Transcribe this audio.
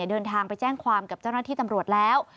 เดินทางไปแจ้งความกับเจ้าหน้าที่ตำรวจแล้ว